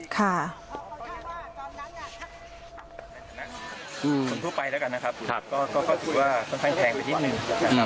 ส่วนทั่วไปแล้วกันนะครับก็ถือว่าค่อนข้างแพงไปนิดนึงนะครับ